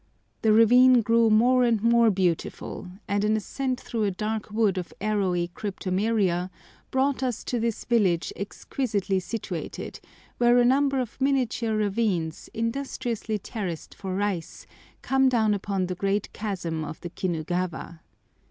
The ravine grew more and more beautiful, and an ascent through a dark wood of arrowy cryptomeria brought us to this village exquisitely situated, where a number of miniature ravines, industriously terraced for rice, come down upon the great chasm of the Kinugawa.